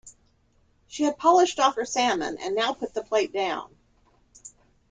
She had polished off her salmon, and now put the plate down.